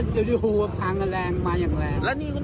นั่งแถวขวานั่งแถวชนมาดีนั่ง